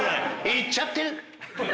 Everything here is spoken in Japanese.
「いっちゃってる！」